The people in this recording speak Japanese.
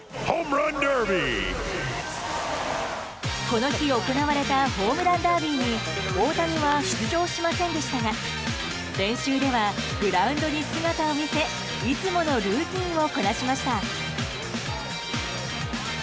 この日、行われたホームランダービーに大谷は出場しませんでしたが練習ではグラウンドに姿を見せいつものルーティンをこなしました。